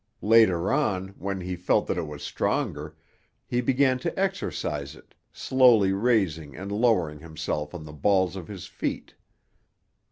Later on, when he felt that it was stronger, he began to exercise it, slowly raising and lowering himself on the balls of his feet.